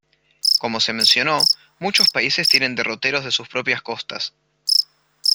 Como se mencionó, muchos países tienen derroteros de sus propias costas.